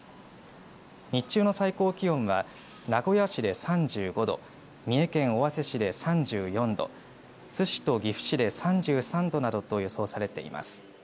日中の最高気温は名古屋市で３５度三重県尾鷲市で３４度津市と岐阜市で３３度などと予想されています。